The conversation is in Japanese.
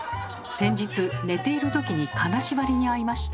先日寝ているときに金縛りに遭いました。